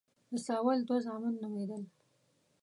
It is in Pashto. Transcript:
د ساول دوه زامن نومېدل.